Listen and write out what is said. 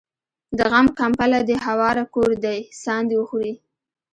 د غم کمبله دي هواره کور دي ساندي وخوري